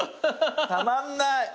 たまんない！